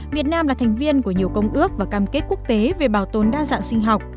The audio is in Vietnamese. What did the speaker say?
việt nam là thành viên của nhiều công ước và cam kết quốc tế về bảo tồn đa dạng sinh học